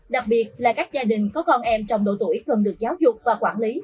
đặc biệt là các gia đình có con em trong độ tuổi cần được giáo dục và quản lý